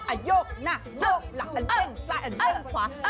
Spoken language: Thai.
โอ้โหหลักแท่งซ้ายแท่งขวาแท่ง